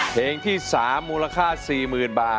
ร้องได้ร้องได้ร้องได้